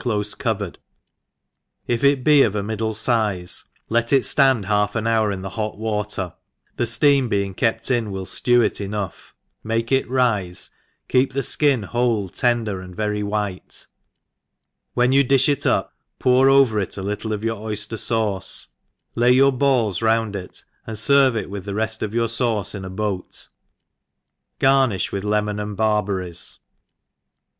clofe covered, if it be of a middle iizc let it ft and half an hour iii the hot v^ater, the ileam being kept in will (lew it enough, make it rife, keep the fkin whole; tender,, and very white ; when you difti it up, pour over it a little of your oyftcr fauce, lay your balls round it, and ferve it up with the reft of your fauce in a boat : garhilh with lemon and barberries.